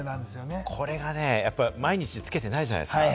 これがね、毎日つけていないじゃないですか。